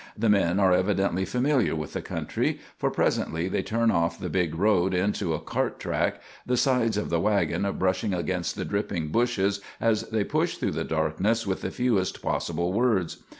The men are evidently familiar with the country, for presently they turn off the big road into a cart track, the sides of the wagon brushing against the dripping bushes as they push through the darkness with the fewest possible words.